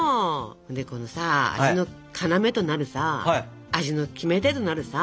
でこのさ味の要となるさ味のキメテとなるさ